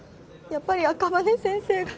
「やっぱり赤羽先生が」